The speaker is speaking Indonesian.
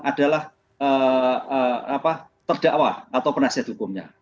adalah terdakwa atau penasihat hukumnya